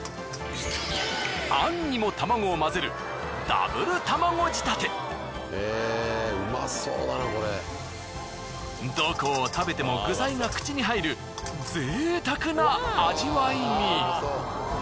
餡にも玉子を混ぜるどこを食べても具材が口に入る贅沢な味わいに。